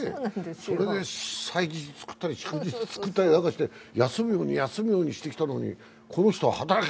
それで祭日作ったり、祝日作ったりして、休むように休むようにしてきたのに、この人は働け！